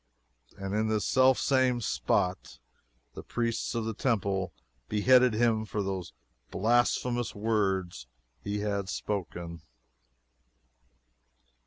And in this self same spot the priests of the Temple beheaded him for those blasphemous words he had spoken.